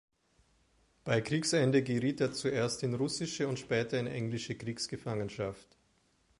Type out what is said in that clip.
Bei Kriegsende geriet er zuerst in russische und später in englische Kriegsgefangenschaft.